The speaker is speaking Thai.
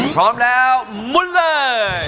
พร้อมแล้วมุนเลย